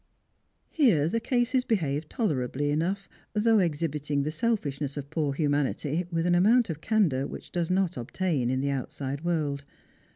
Here the cases behaved tolerably enough, though exhibiting the selfishness of poor humanity with an amount of candour which does not obtain in the outside world.